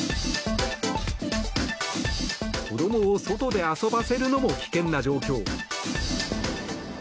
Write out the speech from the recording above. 子どもを外で遊ばせるのも危険な状況。